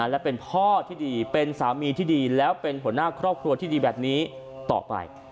และเป็นพ่อที่ดีเป็นสามีที่ดีแล้วเป็นหัวหน้าครอบครัวที่ดีแบบนี้ต่อไป